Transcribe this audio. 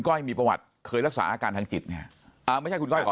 ้อยมีประวัติเคยรักษาอาการทางจิตเนี่ยอ่าไม่ใช่คุณก้อยก่อน